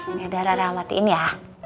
ini udah rara amatin ya